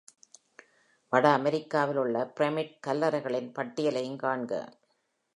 வட அமெரிக்காவில் உள்ள பிரமிட் கல்லறைகளின் பட்டியலையும் காண்க.